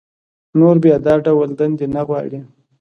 نور بيا دا ډول دندې نه غواړي